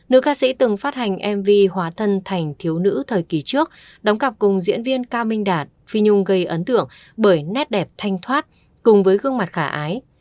nữ ca sĩ từng phát hành mv hóa thân thành thiếu nữ thời kỳ trước đóng cặp cùng diễn viên cao minh đạt phi nhung gây ấn tượng bởi nét đẹp thanh thoát cùng với gương mặt khả ái